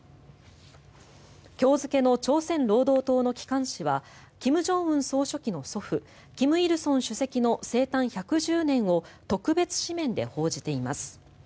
今日付の朝鮮労働党の機関紙は金正恩総書記の祖父金日成主席の生誕１１０年を特別紙面で報じています。